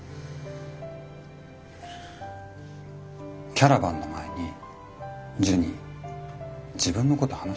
キャラバンの前にジュニ自分のこと話してくれたよな。